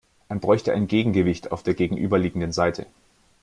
Man bräuchte ein Gegengewicht auf der gegenüberliegenden Seite.